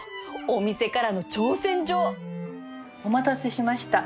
お店からの挑戦状お待たせしました。